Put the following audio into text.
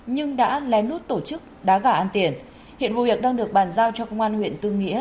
nhưng đã lén lút tổ chức đá gà ăn tiền hiện vụ việc đang được bàn giao cho công an huyện tư nghĩa